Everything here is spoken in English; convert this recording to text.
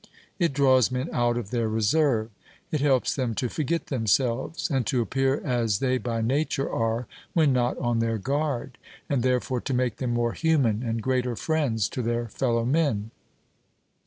It draws men out of their reserve; it helps them to forget themselves and to appear as they by nature are when not on their guard, and therefore to make them more human and greater friends to their fellow men.